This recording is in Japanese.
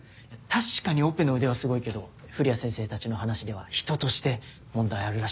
確かにオペの腕はすごいけど古谷先生たちの話では人として問題あるらしいですよ。